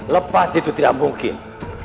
lepas itu tidak mungkin